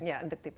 ya untuk tipe dua